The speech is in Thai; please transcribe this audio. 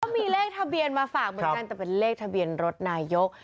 มีเลขทะเบียนมาฝากเหมือนกันแต่เป็นเลขทะเบียนรถนายก